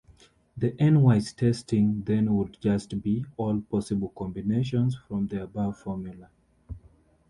The N-wise testing then would just be, all possible combinations from the above formula.